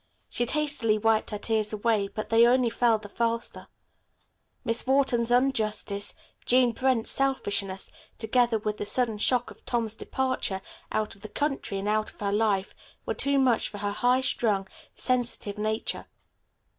She hastily wiped her tears away, but they only fell the faster. Miss Wharton's injustice, Jean Brent's selfishness, together with the sudden shock of Tom's departure out of the country and out of her life, were too much for her high strung, sensitive nature.